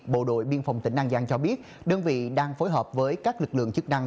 bộ đội biên phòng tỉnh an giang cho biết đơn vị đang phối hợp với các lực lượng chức năng